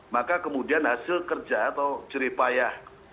maka kemudian hasil kerja atau jeripayah